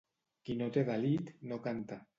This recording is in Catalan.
Qui no té delit, no canta.